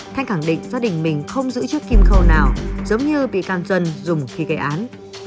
thanh khẳng định gia đình mình không giữ chiếc kim khâu nào giống như bị can dân dùng khi gây án